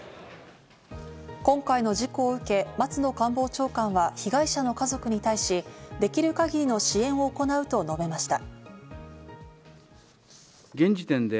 今回の事故を受け、松野官房長官は被害者の家族に対し、できる限りの支援を行うと述べました。